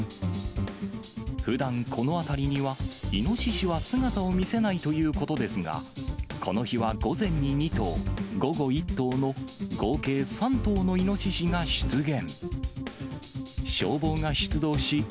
ふだん、この辺りには、イノシシは姿を見せないということですが、この日は午前に２頭、午後１頭の合計３頭のイノシシが出現。